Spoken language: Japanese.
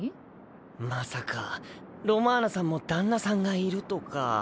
まさかロマーナさんも旦那さんがいるとか。